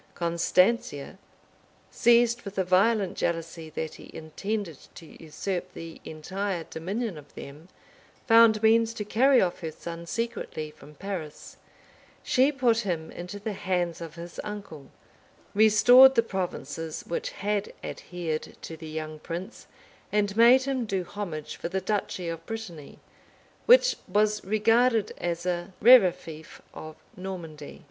Constantia, seized with a violent jealousy that he intended to usurp the entire dominion of them, found means to carry off her son secretly from Paris: she put him into the hands of his uncle; restored the provinces which had adhered to the young prince; and made him do homage for the duchy of Brittany, which was regarded as a rere fief of Normandy.